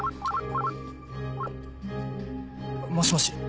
もしもし